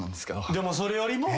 でもそれよりも。